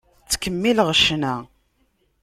Ttkemmileɣ ccna.